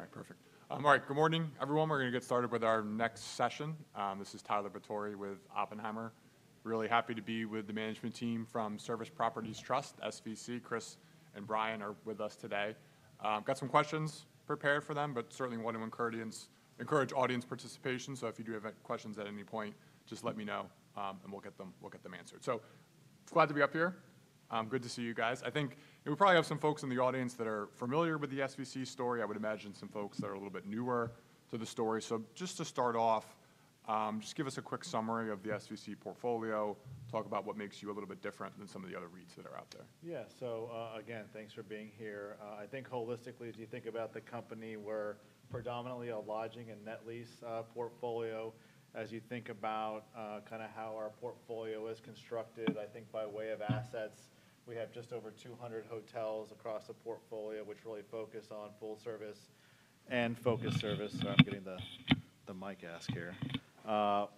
All right, perfect. All right, good morning, everyone. We're going to get started with our next session. This is Tyler Batory with Oppenheimer. Really happy to be with the management team from Service Properties Trust, SVC. Chris and Brian are with us today. Got some questions prepared for them, but certainly want to encourage audience participation. If you do have questions at any point, just let me know and we'll get them answered. Glad to be up here. Good to see you guys. I think we probably have some folks in the audience that are familiar with the SVC story. I would imagine some folks that are a little bit newer to the story. Just to start off, just give us a quick summary of the SVC portfolio, talk about what makes you a little bit different than some of the other REITs that are out there. Yeah, so again, thanks for being here. I think holistically, as you think about the company, we're predominantly a lodging and net lease portfolio. As you think about kind of how our portfolio is constructed, I think by way of assets, we have just over 200 hotels across the portfolio, which really focus on full service and focus service. Sorry, I'm getting the mic ask here.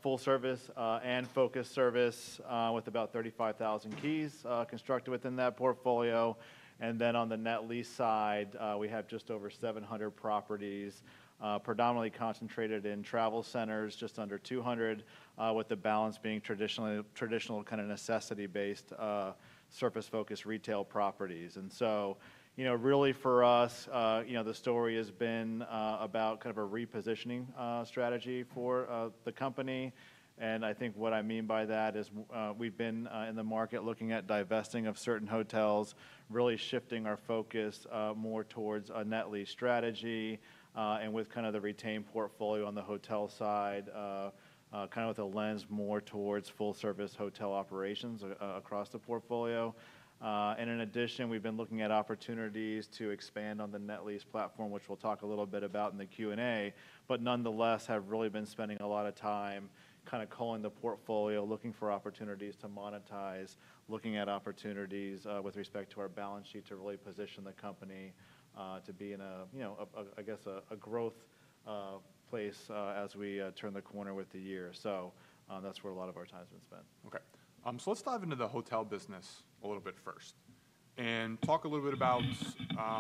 Full service and focus service with about 35,000 keys constructed within that portfolio. Then on the net lease side, we have just over 700 properties, predominantly concentrated in travel centers, just under 200, with the balance being traditional kind of necessity-based surface-focused retail properties. Really for us, the story has been about kind of a repositioning strategy for the company. I think what I mean by that is we've been in the market looking at divesting of certain hotels, really shifting our focus more towards a net lease strategy. With kind of the retained portfolio on the hotel side, kind of with a lens more towards full service hotel operations across the portfolio. In addition, we've been looking at opportunities to expand on the net lease platform, which we'll talk a little bit about in the Q&A. Nonetheless, have really been spending a lot of time kind of culling the portfolio, looking for opportunities to monetize, looking at opportunities with respect to our balance sheet to really position the company to be in a, I guess, a growth place as we turn the corner with the year. That's where a lot of our time has been spent. Okay. Let's dive into the hotel business a little bit first and talk a little bit about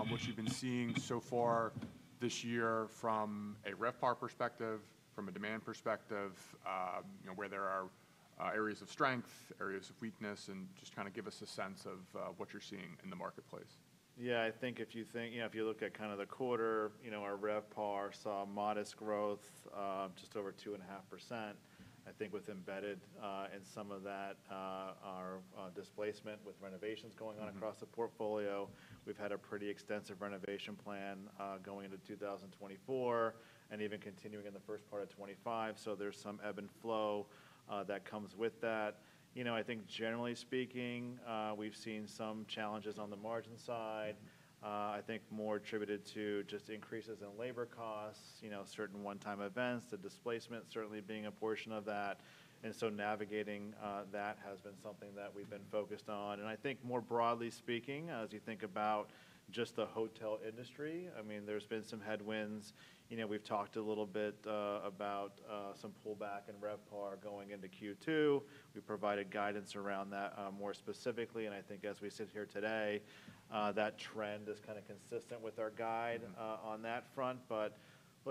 what you've been seeing so far this year from a RevPAR perspective, from a demand perspective, where there are areas of strength, areas of weakness, and just kind of give us a sense of what you're seeing in the marketplace. Yeah, I think if you look at kind of the quarter, our RevPAR saw modest growth, just over 2.5%. I think with embedded in some of that, our displacement with renovations going on across the portfolio. We've had a pretty extensive renovation plan going into 2024 and even continuing in the first part of 2025. There is some ebb and flow that comes with that. I think generally speaking, we've seen some challenges on the margin side, I think more attributed to just increases in labor costs, certain one-time events, the displacement certainly being a portion of that. Navigating that has been something that we've been focused on. I think more broadly speaking, as you think about just the hotel industry, I mean, there have been some headwinds. We've talked a little bit about some pullback in RevPAR going into Q2. We provided guidance around that more specifically. I think as we sit here today, that trend is kind of consistent with our guide on that front. I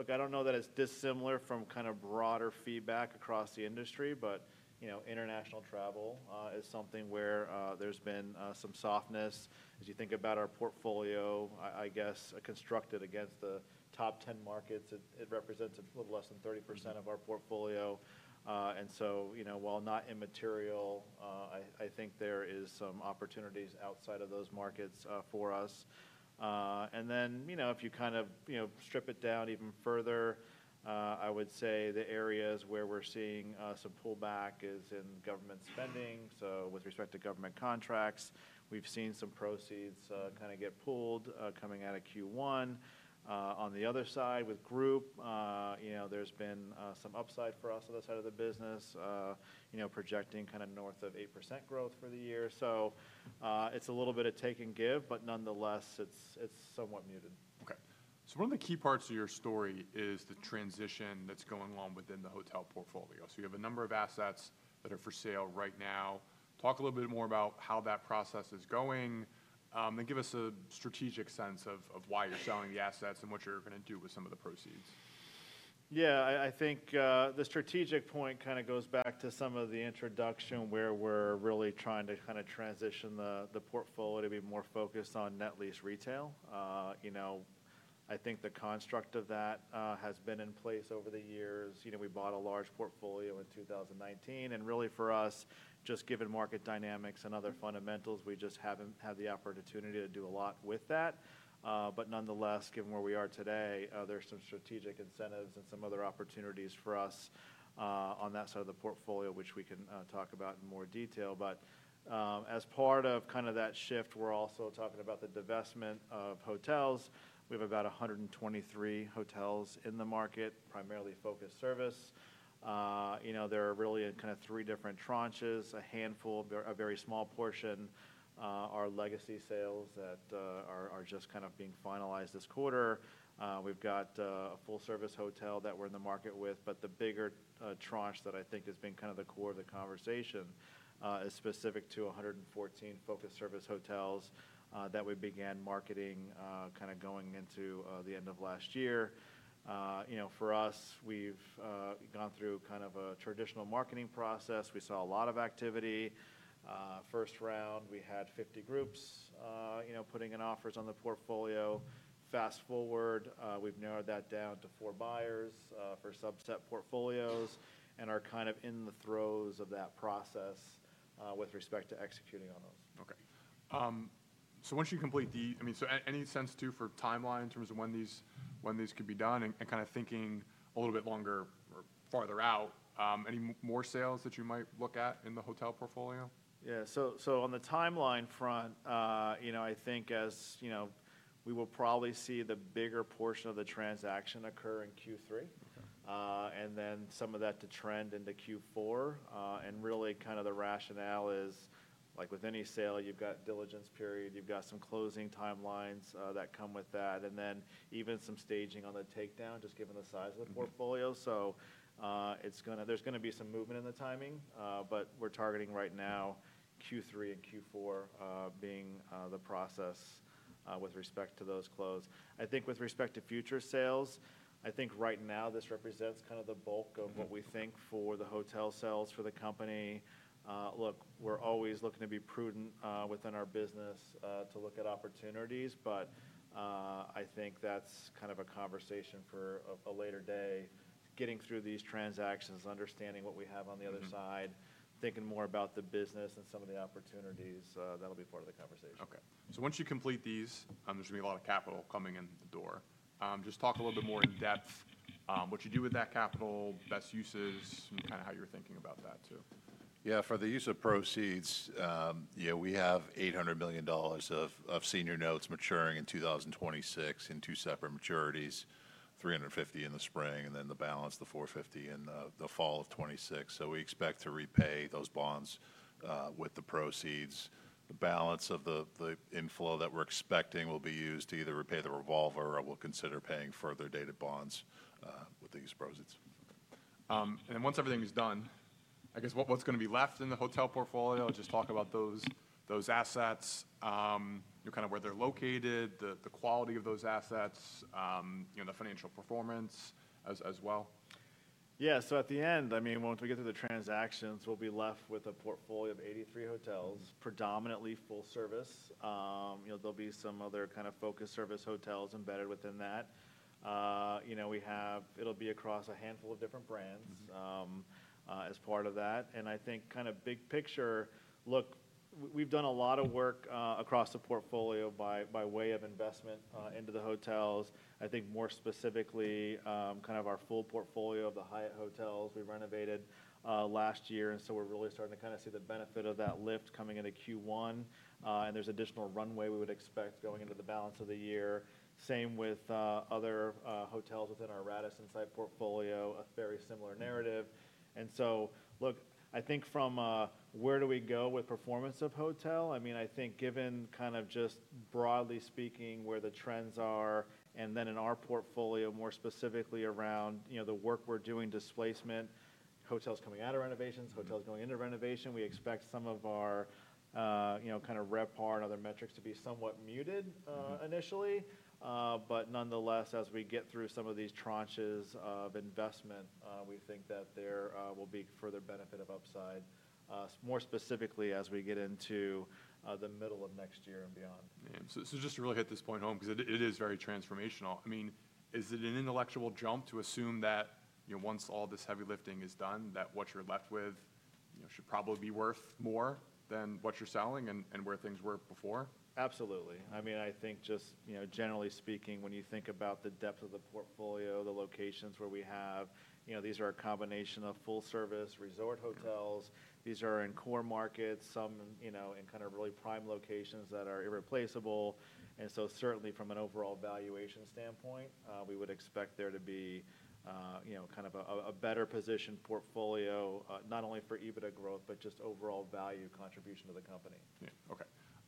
don't know that it's dissimilar from kind of broader feedback across the industry, but international travel is something where there's been some softness. As you think about our portfolio, I guess constructed against the top 10 markets, it represents a little less than 30% of our portfolio. While not immaterial, I think there are some opportunities outside of those markets for us. If you kind of strip it down even further, I would say the areas where we're seeing some pullback is in government spending. With respect to government contracts, we've seen some proceeds kind of get pulled coming out of Q1. On the other side with Group, there's been some upside for us on the side of the business, projecting kind of north of 8% growth for the year. It is a little bit of take and give, but nonetheless, it's somewhat muted. Okay. One of the key parts of your story is the transition that's going on within the hotel portfolio. You have a number of assets that are for sale right now. Talk a little bit more about how that process is going and give us a strategic sense of why you're selling the assets and what you're going to do with some of the proceeds. Yeah, I think the strategic point kind of goes back to some of the introduction where we're really trying to kind of transition the portfolio to be more focused on net lease retail. I think the construct of that has been in place over the years. We bought a large portfolio in 2019. Really for us, just given market dynamics and other fundamentals, we just haven't had the opportunity to do a lot with that. Nonetheless, given where we are today, there are some strategic incentives and some other opportunities for us on that side of the portfolio, which we can talk about in more detail. As part of kind of that shift, we're also talking about the divestment of hotels. We have about 123 hotels in the market, primarily focused service. There are really kind of three different tranches. A handful, a very small portion, are legacy sales that are just kind of being finalized this quarter. We've got a full-service hotel that we're in the market with. The bigger tranche that I think has been kind of the core of the conversation is specific to 114 focused service hotels that we began marketing kind of going into the end of last year. For us, we've gone through kind of a traditional marketing process. We saw a lot of activity. First round, we had 50 groups putting in offers on the portfolio. Fast forward, we've narrowed that down to four buyers for subset portfolios and are kind of in the throes of that process with respect to executing on those. Okay. So once you complete the, I mean, so any sense too for timeline in terms of when these could be done and kind of thinking a little bit longer or farther out, any more sales that you might look at in the hotel portfolio? Yeah. On the timeline front, I think as we will probably see the bigger portion of the transaction occur in Q3 and then some of that to trend into Q4. Really, kind of the rationale is like with any sale, you have got diligence period, you have got some closing timelines that come with that, and then even some staging on the takedown just given the size of the portfolio. There is going to be some movement in the timing, but we are targeting right now Q3 and Q4 being the process with respect to those close. I think with respect to future sales, I think right now this represents kind of the bulk of what we think for the hotel sales for the company. Look, we are always looking to be prudent within our business to look at opportunities, but I think that is kind of a conversation for a later day. Getting through these transactions, understanding what we have on the other side, thinking more about the business and some of the opportunities, that'll be part of the conversation. Okay. Once you complete these, there's going to be a lot of capital coming in the door. Just talk a little bit more in depth, what you do with that capital, best uses, and kind of how you're thinking about that too. Yeah, for the use of proceeds, we have $800 million of senior notes maturing in 2026 in two separate maturities, $350 million in the spring, and then the balance, the $450 million in the fall of 2026. We expect to repay those bonds with the proceeds. The balance of the inflow that we're expecting will be used to either repay the revolver or we'll consider paying further dated bonds with these proceeds. Once everything is done, I guess what's going to be left in the hotel portfolio? Just talk about those assets, kind of where they're located, the quality of those assets, the financial performance as well. Yeah. At the end, I mean, once we get through the transactions, we'll be left with a portfolio of 83 hotels, predominantly full service. There'll be some other kind of focused service hotels embedded within that. It'll be across a handful of different brands as part of that. I think kind of big picture, look, we've done a lot of work across the portfolio by way of investment into the hotels. I think more specifically, kind of our full portfolio of the Hyatt hotels we renovated last year. We're really starting to kind of see the benefit of that lift coming into Q1. There's additional runway we would expect going into the balance of the year. Same with other hotels within our Radisson site portfolio, a very similar narrative. I think from where do we go with performance of hotel? I mean, I think given kind of just broadly speaking where the trends are and then in our portfolio, more specifically around the work we're doing, displacement, hotels coming out of renovations, hotels going into renovation, we expect some of our kind of RevPAR and other metrics to be somewhat muted initially. Nonetheless, as we get through some of these tranches of investment, we think that there will be further benefit of upside, more specifically as we get into the middle of next year and beyond. Just to really hit this point home because it is very transformational. I mean, is it an intellectual jump to assume that once all this heavy lifting is done, that what you're left with should probably be worth more than what you're selling and where things were before? Absolutely. I mean, I think just generally speaking, when you think about the depth of the portfolio, the locations where we have, these are a combination of full-service resort hotels. These are in core markets, some in kind of really prime locations that are irreplaceable. Certainly from an overall valuation standpoint, we would expect there to be kind of a better position portfolio, not only for EBITDA growth, but just overall value contribution to the company.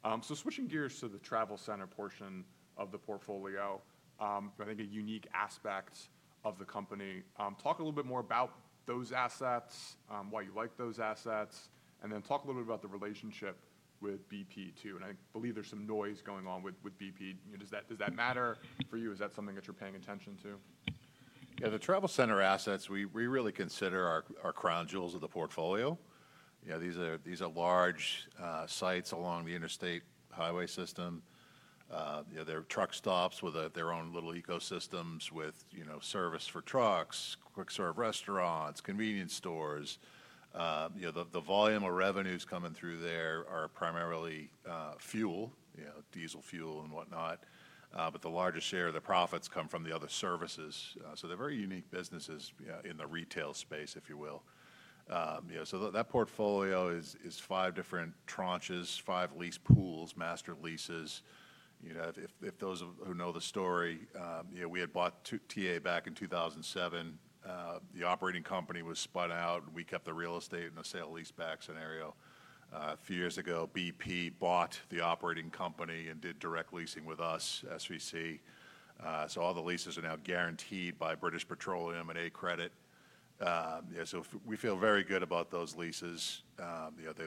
Yeah. Okay. Switching gears to the travel center portion of the portfolio, I think a unique aspect of the company. Talk a little bit more about those assets, why you like those assets, and then talk a little bit about the relationship with BP too. I believe there's some noise going on with BP. Does that matter for you? Is that something that you're paying attention to? Yeah. The travel center assets, we really consider our crown jewels of the portfolio. These are large sites along the Interstate Highway System. There are truck stops with their own little ecosystems with service for trucks, quick-serve restaurants, convenience stores. The volume of revenues coming through there are primarily fuel, diesel fuel and whatnot. The largest share of the profits come from the other services. They are very unique businesses in the retail space, if you will. That portfolio is five different tranches, five lease pools, master leases. If those who know the story, we had bought TA back in 2007. The operating company was spun out. We kept the real estate in a sale leaseback scenario. A few years ago, BP bought the operating company and did direct leasing with us, SVC. All the leases are now guaranteed by British Petroleum and A Credit. We feel very good about those leases.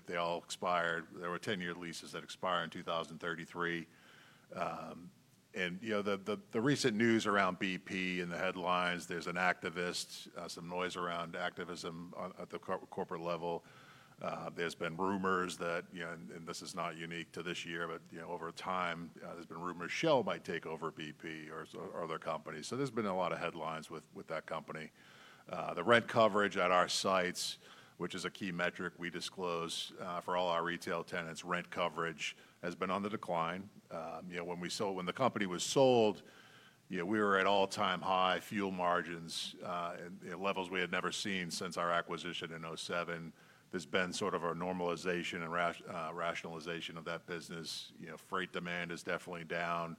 They all expired. They were 10-year leases that expired in 2033. The recent news around BP in the headlines, there is an activist, some noise around activism at the corporate level. There have been rumors that, and this is not unique to this year, but over time, there have been rumors Shell might take over BP or other companies. There have been a lot of headlines with that company. The rent coverage at our sites, which is a key metric we disclose for all our retail tenants, rent coverage has been on the decline. When the company was sold, we were at all-time high fuel margins, levels we had never seen since our acquisition in 2007. There has been sort of a normalization and rationalization of that business. Freight demand is definitely down.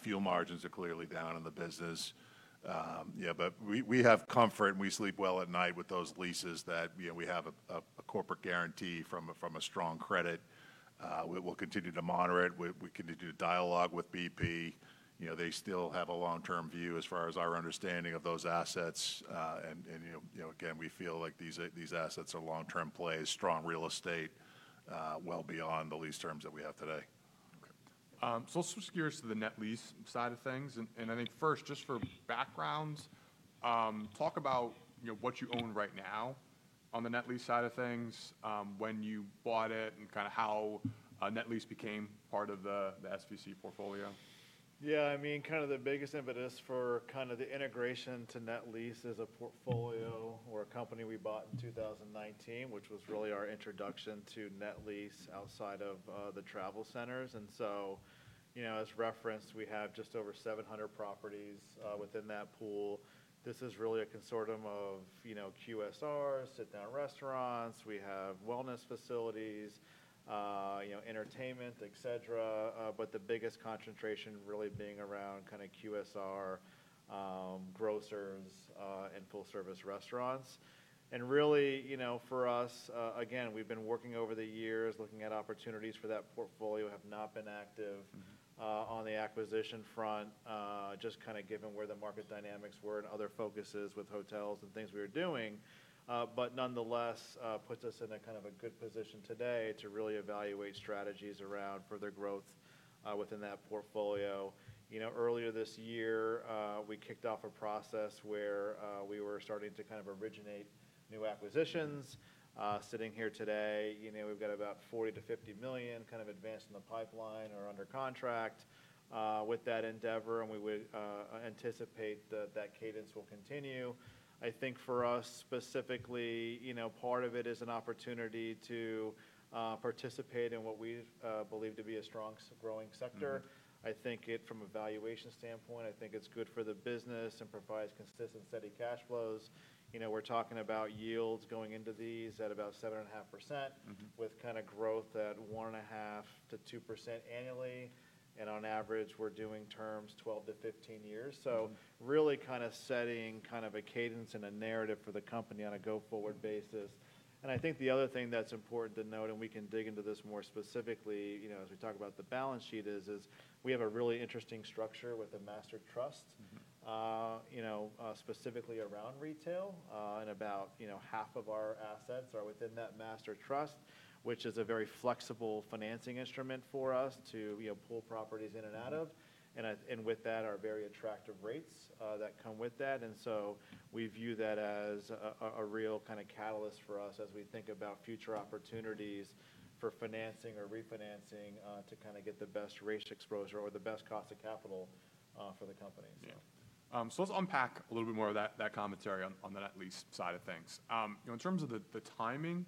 Fuel margins are clearly down in the business. We have comfort and we sleep well at night with those leases that we have a corporate guarantee from a strong credit. We'll continue to monitor it. We continue to dialogue with BP. They still have a long-term view as far as our understanding of those assets. Again, we feel like these assets are long-term plays, strong real estate, well beyond the lease terms that we have today. Okay. Let's switch gears to the net lease side of things. I think first, just for background, talk about what you own right now on the net lease side of things, when you bought it, and kind of how net lease became part of the SVC portfolio. Yeah. I mean, kind of the biggest impetus for kind of the integration to net lease is a portfolio or a company we bought in 2019, which was really our introduction to net lease outside of the travel centers. As referenced, we have just over 700 properties within that pool. This is really a consortium of QSRs, sit-down restaurants. We have wellness facilities, entertainment, etc. The biggest concentration really being around kind of QSR, grocers, and full-service restaurants. Really for us, again, we've been working over the years, looking at opportunities for that portfolio, have not been active on the acquisition front, just kind of given where the market dynamics were and other focuses with hotels and things we were doing. Nonetheless, puts us in kind of a good position today to really evaluate strategies around further growth within that portfolio. Earlier this year, we kicked off a process where we were starting to kind of originate new acquisitions. Sitting here today, we've got about $40 million-$50 million kind of advanced in the pipeline or under contract with that endeavor. We would anticipate that that cadence will continue. I think for us specifically, part of it is an opportunity to participate in what we believe to be a strong growing sector. I think from a valuation standpoint, I think it's good for the business and provides consistent, steady cash flows. We're talking about yields going into these at about 7.5% with kind of growth at 1.5%-2% annually. On average, we're doing terms 12-15 years. Really kind of setting kind of a cadence and a narrative for the company on a go-forward basis. I think the other thing that's important to note, and we can dig into this more specifically as we talk about the balance sheet, is we have a really interesting structure with a master trust specifically around retail. About half of our assets are within that master trust, which is a very flexible financing instrument for us to pull properties in and out of. With that, our very attractive rates that come with that. We view that as a real kind of catalyst for us as we think about future opportunities for financing or refinancing to kind of get the best rate exposure or the best cost of capital for the company. Yeah. Let's unpack a little bit more of that commentary on the net lease side of things. In terms of the timing,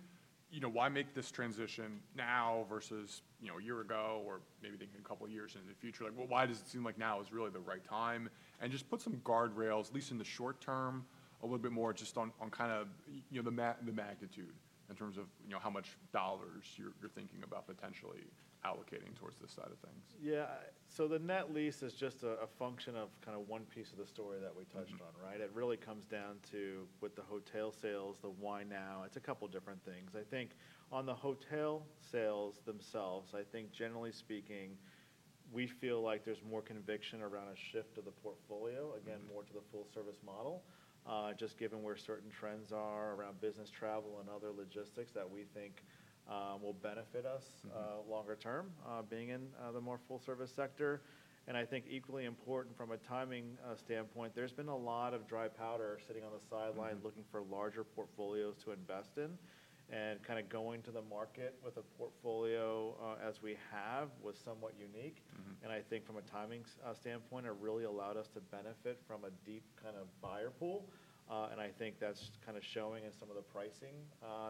why make this transition now versus a year ago or maybe thinking a couple of years into the future? Why does it seem like now is really the right time? Just put some guardrails, at least in the short term, a little bit more just on kind of the magnitude in terms of how much dollars you're thinking about potentially allocating towards this side of things. Yeah. The net lease is just a function of kind of one piece of the story that we touched on, right? It really comes down to with the hotel sales, the why now, it's a couple of different things. I think on the hotel sales themselves, I think generally speaking, we feel like there's more conviction around a shift to the portfolio, again, more to the full-service model, just given where certain trends are around business travel and other logistics that we think will benefit us longer term being in the more full-service sector. I think equally important from a timing standpoint, there's been a lot of dry powder sitting on the sideline looking for larger portfolios to invest in. Kind of going to the market with a portfolio as we have was somewhat unique. I think from a timing standpoint, it really allowed us to benefit from a deep kind of buyer pool. I think that's kind of showing in some of the pricing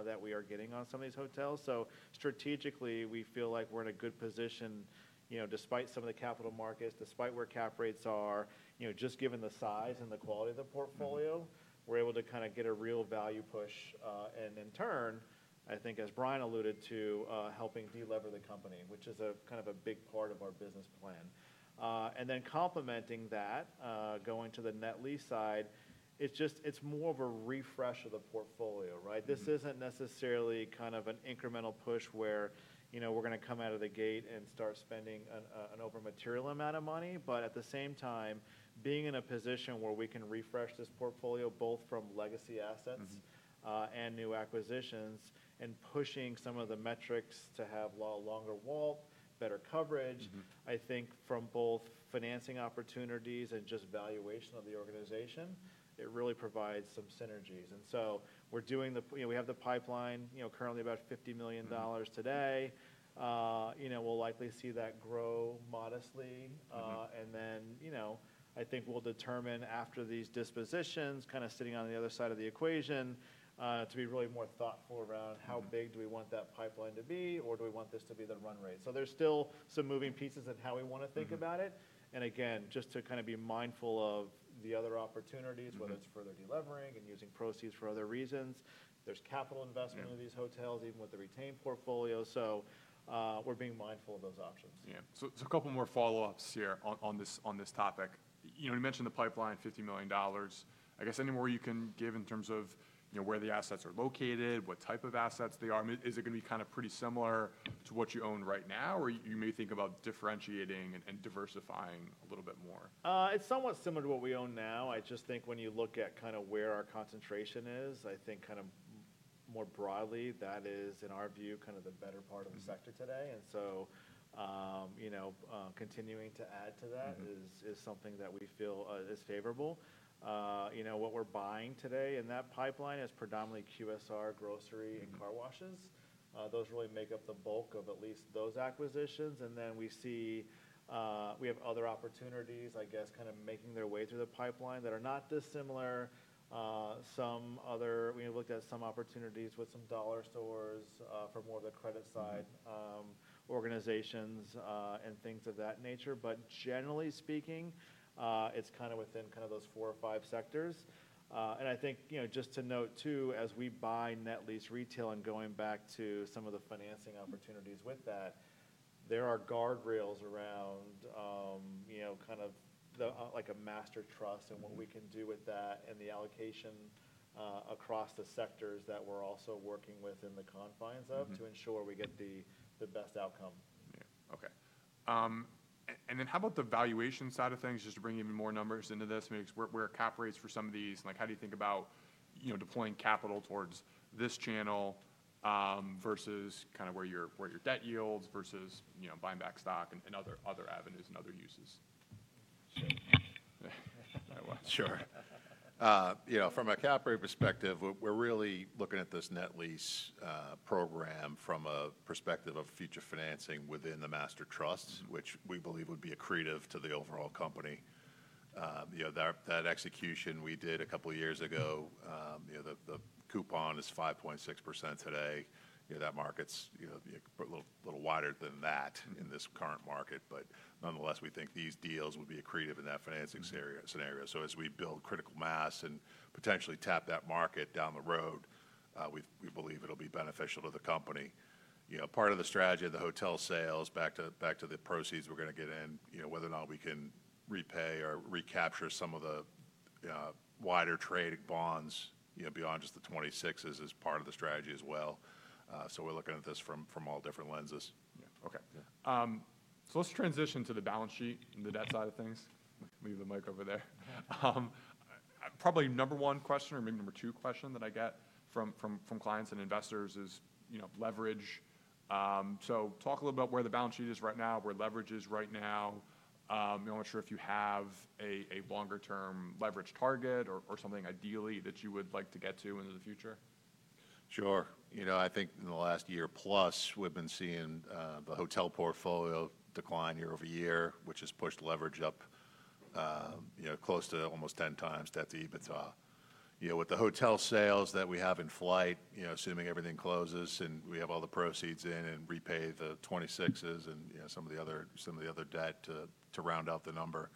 that we are getting on some of these hotels. Strategically, we feel like we're in a good position despite some of the capital markets, despite where cap rates are, just given the size and the quality of the portfolio, we're able to kind of get a real value push. In turn, I think as Brian alluded to, helping delever the company, which is kind of a big part of our business plan. Complementing that, going to the net lease side, it's more of a refresh of the portfolio, right? This isn't necessarily kind of an incremental push where we're going to come out of the gate and start spending an overmaterial amount of money. At the same time, being in a position where we can refresh this portfolio both from legacy assets and new acquisitions and pushing some of the metrics to have a longer walk, better coverage, I think from both financing opportunities and just valuation of the organization, it really provides some synergies. We have the pipeline currently about $50 million today. We'll likely see that grow modestly. I think we'll determine after these dispositions, kind of sitting on the other side of the equation, to be really more thoughtful around how big do we want that pipeline to be or do we want this to be the run rate. There are still some moving pieces in how we want to think about it. Just to kind of be mindful of the other opportunities, whether it's further delivering and using proceeds for other reasons. There's capital investment in these hotels, even with the retained portfolio. So we're being mindful of those options. Yeah. A couple more follow-ups here on this topic. You mentioned the pipeline, $50 million. I guess any more you can give in terms of where the assets are located, what type of assets they are. Is it going to be kind of pretty similar to what you own right now or you may think about differentiating and diversifying a little bit more? It's somewhat similar to what we own now. I just think when you look at kind of where our concentration is, I think kind of more broadly, that is in our view kind of the better part of the sector today. Continuing to add to that is something that we feel is favorable. What we're buying today in that pipeline is predominantly QSR, grocery, and car washes. Those really make up the bulk of at least those acquisitions. We see we have other opportunities, I guess, kind of making their way through the pipeline that are not dissimilar. We looked at some opportunities with some dollar stores for more of the credit side organizations and things of that nature. Generally speaking, it's kind of within kind of those four or five sectors. I think just to note too, as we buy net lease retail and going back to some of the financing opportunities with that, there are guardrails around kind of like a master trust and what we can do with that and the allocation across the sectors that we're also working within the confines of to ensure we get the best outcome. Yeah. Okay. How about the valuation side of things? Just to bring even more numbers into this, maybe where are cap rates for some of these? How do you think about deploying capital towards this channel versus kind of where your debt yields versus buying back stock and other avenues and other uses? Sure. From a cap rate perspective, we're really looking at this net lease program from a perspective of future financing within the master trusts, which we believe would be accretive to the overall company. That execution we did a couple of years ago, the coupon is 5.6% today. That market's a little wider than that in this current market. Nonetheless, we think these deals would be accretive in that financing scenario. As we build critical mass and potentially tap that market down the road, we believe it'll be beneficial to the company. Part of the strategy of the hotel sales, back to the proceeds we're going to get in, whether or not we can repay or recapture some of the wider trade bonds beyond just the 2026s is part of the strategy as well. We're looking at this from all different lenses. Yeah. Okay. Let's transition to the balance sheet and the debt side of things. Leave the mic over there. Probably the number one question or maybe number two question that I get from clients and investors is leverage. Talk a little bit about where the balance sheet is right now, where leverage is right now. I'm not sure if you have a longer-term leverage target or something ideally that you would like to get to into the future. Sure. I think in the last year plus, we've been seeing the hotel portfolio decline year over year, which has pushed leverage up close to almost 10x debt to EBITDA. With the hotel sales that we have in flight, assuming everything closes and we have all the proceeds in and repay the 26s and some of the other debt to round out the number,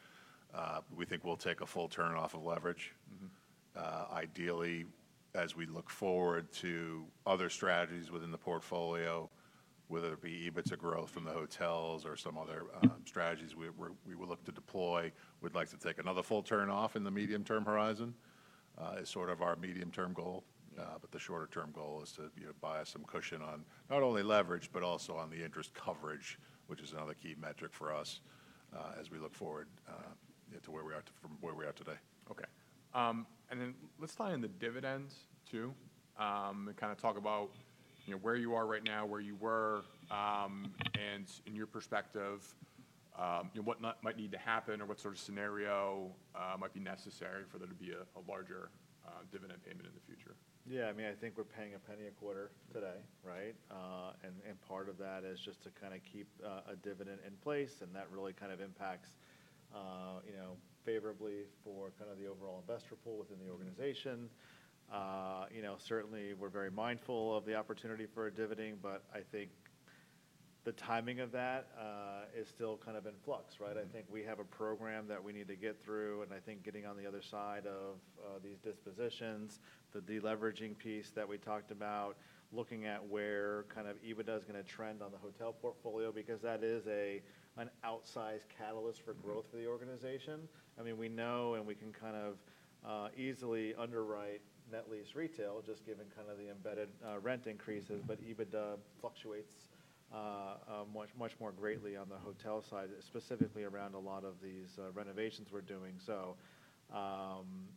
we think we'll take a full turn off of leverage. Ideally, as we look forward to other strategies within the portfolio, whether it be EBITDA growth from the hotels or some other strategies we will look to deploy, we'd like to take another full turn off in the medium-term horizon is sort of our medium-term goal. The shorter-term goal is to buy us some cushion on not only leverage, but also on the interest coverage, which is another key metric for us as we look forward to where we are today. Okay. Then let's tie in the dividends too and kind of talk about where you are right now, where you were, and in your perspective, what might need to happen or what sort of scenario might be necessary for there to be a larger dividend payment in the future. Yeah. I mean, I think we're paying a penny a quarter today, right? Part of that is just to kind of keep a dividend in place. That really kind of impacts favorably for the overall investor pool within the organization. Certainly, we're very mindful of the opportunity for dividending, but I think the timing of that is still kind of in flux, right? I think we have a program that we need to get through. I think getting on the other side of these dispositions, the deleveraging piece that we talked about, looking at where EBITDA is going to trend on the hotel portfolio because that is an outsized catalyst for growth for the organization. I mean, we know and we can kind of easily underwrite net lease retail just given kind of the embedded rent increases, but EBITDA fluctuates much more greatly on the hotel side, specifically around a lot of these renovations we're doing.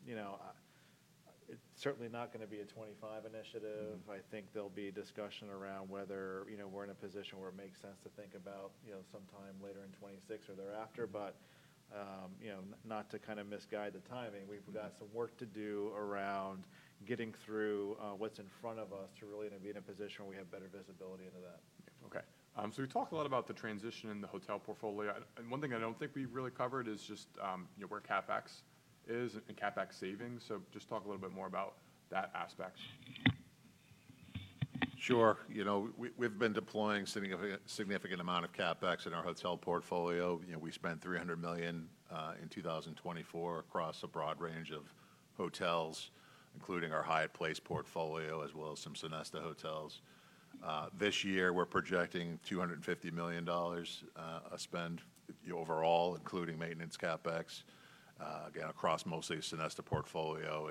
It is certainly not going to be a 2025 initiative. I think there will be discussion around whether we're in a position where it makes sense to think about sometime later in 2026 or thereafter, but not to kind of misguide the timing. We've got some work to do around getting through what's in front of us to really be in a position where we have better visibility into that. Okay. We talked a lot about the transition in the hotel portfolio. One thing I do not think we really covered is just where CapEx is and CapEx savings. Just talk a little bit more about that aspect. Sure. We've been deploying a significant amount of CapEx in our hotel portfolio. We spent $300 million in 2024 across a broad range of hotels, including our Hyatt Place portfolio as well as some Sonesta hotels. This year, we're projecting $250 million of spend overall, including maintenance CapEx, again, across mostly Sonesta portfolio.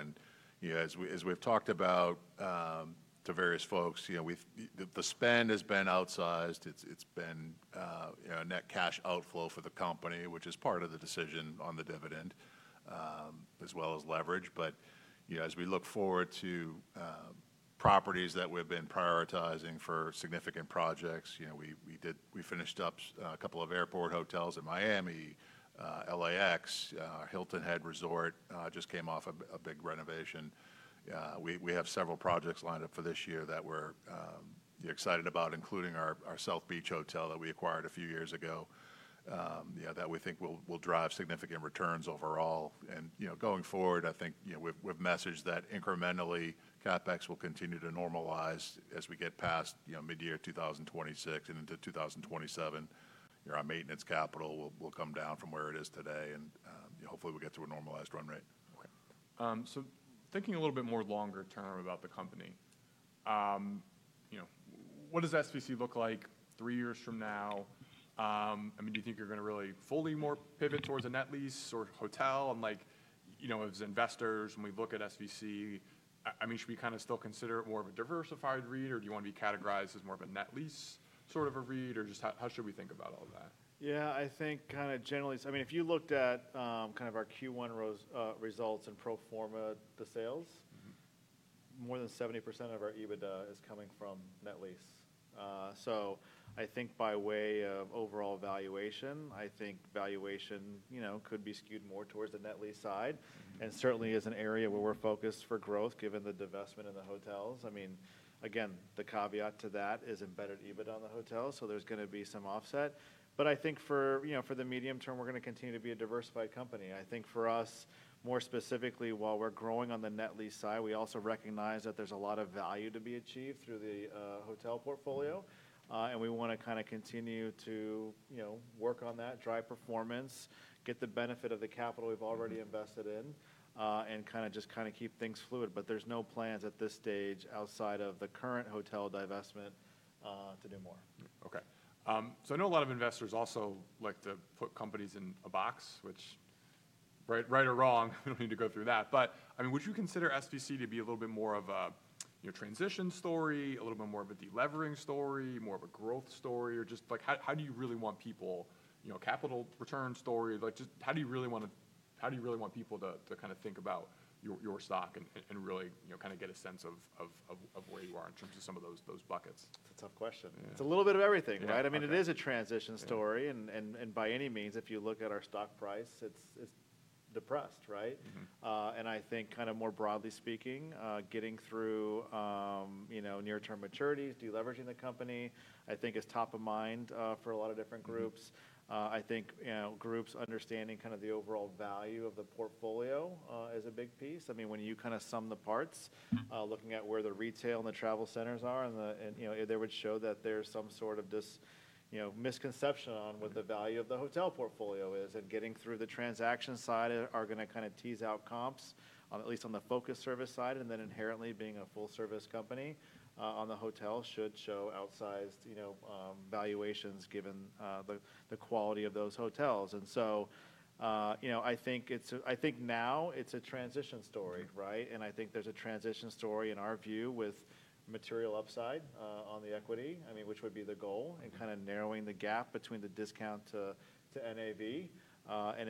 As we've talked about to various folks, the spend has been outsized. It's been a net cash outflow for the company, which is part of the decision on the dividend as well as leverage. As we look forward to properties that we've been prioritizing for significant projects, we finished up a couple of airport hotels in Miami, LAX, Hilton Head Resort just came off a big renovation. We have several projects lined up for this year that we're excited about, including our South Beach hotel that we acquired a few years ago that we think will drive significant returns overall. Going forward, I think we've messaged that incrementally CapEx will continue to normalize as we get past mid-year 2026 and into 2027. Our maintenance capital will come down from where it is today. Hopefully, we'll get to a normalized run rate. Okay. So thinking a little bit more longer term about the company, what does SVC look like three years from now? I mean, do you think you're going to really fully more pivot towards a net lease or hotel? And as investors, when we look at SVC, I mean, should we kind of still consider it more of a diversified REIT or do you want to be categorized as more of a net lease sort of a REIT or just how should we think about all that? Yeah. I think kind of generally, I mean, if you looked at kind of our Q1 results and pro forma, the sales, more than 70% of our EBITDA is coming from net lease. I think by way of overall valuation, I think valuation could be skewed more towards the net lease side. Certainly, as an area where we're focused for growth, given the divestment in the hotels, I mean, again, the caveat to that is embedded EBITDA on the hotels. There is going to be some offset. I think for the medium term, we're going to continue to be a diversified company. I think for us, more specifically, while we're growing on the net lease side, we also recognize that there is a lot of value to be achieved through the hotel portfolio. We want to kind of continue to work on that, drive performance, get the benefit of the capital we've already invested in, and kind of just kind of keep things fluid. There are no plans at this stage outside of the current hotel divestment to do more. Okay. I know a lot of investors also like to put companies in a box, which, right or wrong, we don't need to go through that. I mean, would you consider SVC to be a little bit more of a transition story, a little bit more of a delevering story, more of a growth story, or just how do you really want people capital return story? How do you really want people to kind of think about your stock and really kind of get a sense of where you are in terms of some of those buckets? It's a tough question. It's a little bit of everything, right? I mean, it is a transition story. By any means, if you look at our stock price, it's depressed, right? I think kind of more broadly speaking, getting through near-term maturities, deleveraging the company, I think is top of mind for a lot of different groups. I think groups understanding kind of the overall value of the portfolio is a big piece. I mean, when you kind of sum the parts, looking at where the retail and the travel centers are, they would show that there's some sort of misconception on what the value of the hotel portfolio is. Getting through the transaction side is going to kind of tease out comps, at least on the focus service side. Inherently, being a full-service company on the hotel should show outsized valuations given the quality of those hotels. I think now it's a transition story, right? I think there's a transition story in our view with material upside on the equity, I mean, which would be the goal and kind of narrowing the gap between the discount to NAV.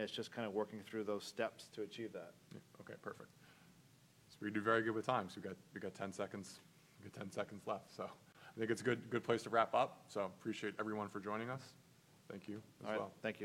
It's just kind of working through those steps to achieve that. Okay. Perfect. We do very good with time. We have 10 seconds. We have 10 seconds left. I think it is a good place to wrap up. Appreciate everyone for joining us. Thank you as well. Thank you.